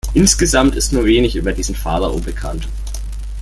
Insgesamt ist nur wenig über diesen Pharao bekannt.